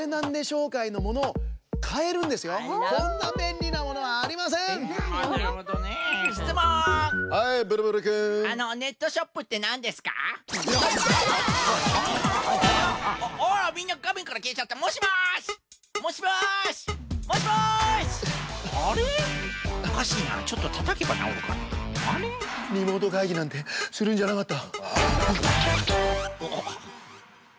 リモートかいぎなんてするんじゃなかった。